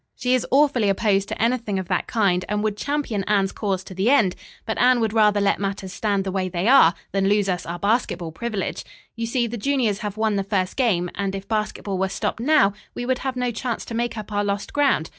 She is awfully opposed to anything of that kind, and would champion Anne's cause to the end, but Anne would rather let matters stand the way they are, than lose us our basketball privilege. You see, the juniors have won the first game, and if basketball were stopped now we would have no chance to make up our lost ground.